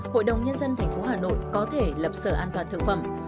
hội đồng nhân dân tp hcm có thể lập sở an toàn thương phẩm